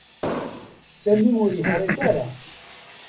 Sami ur yeḥṛic ara.